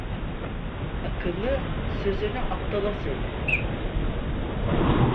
Akıllı sözünü aptala söyletir.